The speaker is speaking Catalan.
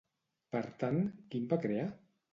Per tant, quin va crear?